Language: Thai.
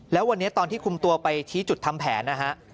แล้ววันนี้ตอนที่คุมตัวไปชี้จุดทำแผนนะฮะ